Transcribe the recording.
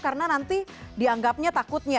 karena nanti dianggapnya takutnya